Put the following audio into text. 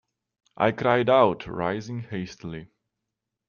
I cried out, rising hastily.